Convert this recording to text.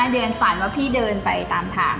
เดินฝันว่าพี่เดินไปตามทาง